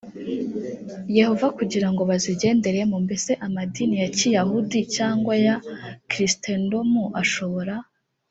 yehova kugira ngo ba zigenderemo mbese amadini ya kiyahudi cyangwa ya kristendomu ashobora